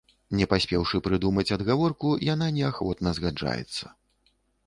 Не паспеўшы прыдумаць адгаворку, яна неахвотна згаджаецца.